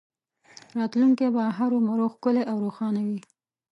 راتلونکی به هرومرو ښکلی او روښانه وي